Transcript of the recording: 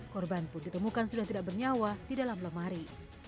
korban pun ditemukan sudah tidak bernyawa di dalam lemari